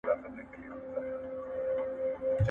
کتاب د انسان غوره ملګری دئ.